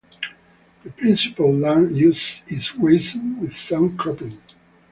The principle land use is grazing with some cropping.